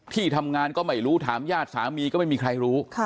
ที่ทำงานก็ไม่รู้ถามญาติสามีก็ไม่มีใครรู้